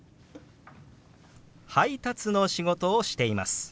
「配達の仕事をしています」。